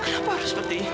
kenapa harus seperti ini sih